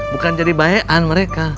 bukan jadi bayaan mereka